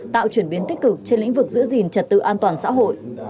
tạo chuyển biến tích cực trên lĩnh vực giữ gìn trật tự an toàn xã hội